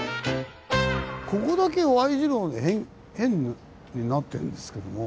ここだけＹ字路で変になってるんですけども。